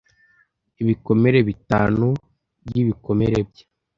ibikomere bitanu by'ibikomere bye